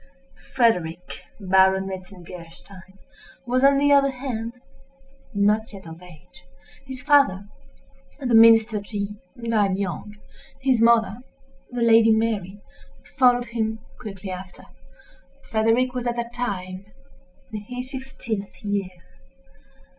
Frederick, Baron Metzengerstein, was, on the other hand, not yet of age. His father, the Minister G—, died young. His mother, the Lady Mary, followed him quickly after. Frederick was, at that time, in his fifteenth year.